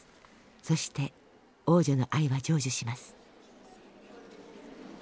そして王女の愛は成就します。